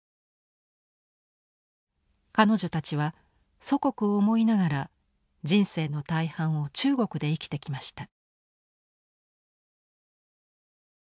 彼女たちは祖国を思いながら人生の大半を中国で生きてきました。